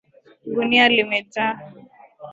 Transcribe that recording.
Gunia limejaa.